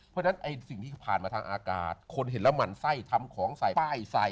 เพราะฉะนั้นไอ้สิ่งที่ผ่านมาทางอากาศคนเห็นแล้วหมั่นไส้ทำของใส่ป้ายใส่